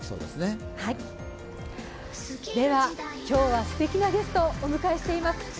今日はすてきなゲストをお迎えしています。